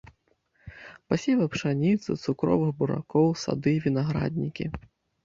Пасевы пшаніцы, цукровых буракоў, сады, вінаграднікі.